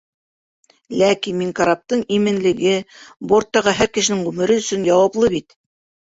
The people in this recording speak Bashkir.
Ләкин мин караптың именлеге, борттағы һәр кешенең ғүмере өсөн яуаплы бит.